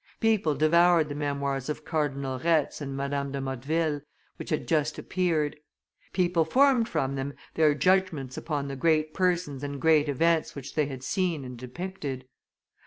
People devoured the memoirs of Cardinal Retz and Madame de Motteville, which had just appeared; people formed from them their judgments upon the great persons and great events which they had seen and depicted.